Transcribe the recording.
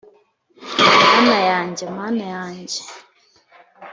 Mana yanjye Mana yanjye